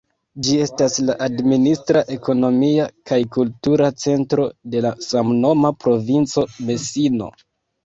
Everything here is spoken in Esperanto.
Ĝi estas la administra, ekonomia kaj kultura centro de la samnoma provinco Mesino.